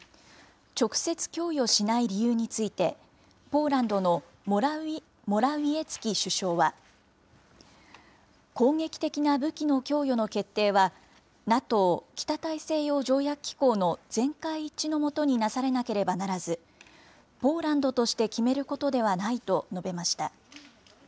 直接供与しない理由について、ポーランドのモラウィエツキ首相は、攻撃的な武器の供与の決定は、ＮＡＴＯ・北大西洋条約機構の全会一致のもとになされなければならず、ポーランドとして決めることではないと述べました。